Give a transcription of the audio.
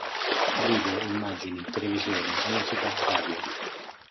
Video, immagini, televisione, musica, radio.